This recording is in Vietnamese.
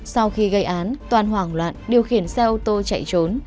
sau khi gây án toàn hoảng loạn điều khiển xe ô tô chạy trốn